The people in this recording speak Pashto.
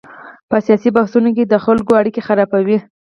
په سیاسي بحثونو کې د خلکو اړیکې خرابوي.